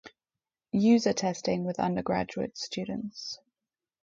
User testing with undergraduate students